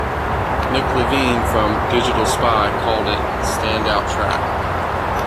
Nick Levine, from "Digital Spy", called it "standout track".